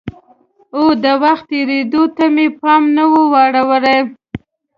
او د وخت تېرېدو ته مې پام نه وراوړي؟